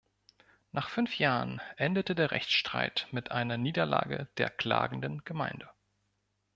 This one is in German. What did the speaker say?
Nach fünf Jahren endete der Rechtsstreit mit einer Niederlage der klagenden Gemeinde.